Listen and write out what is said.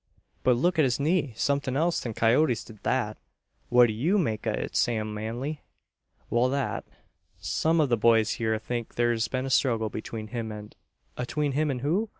But look at his knee Somethin' else than coyoats did that. What do you make o' it, Sam Manly?" "Well, that some of the boys here think there's been a struggle between him and " "Atween him an who?"